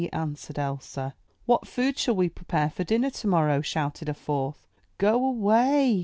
answered Elsa. "What food shall we prepare for dinner tomorrow?" shouted a fourth. "Go away!"